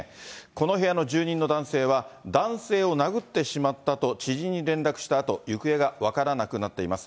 この部屋の住人の男性は、男性を殴ってしまったと知人に連絡したあと、行方が分からなくなっています。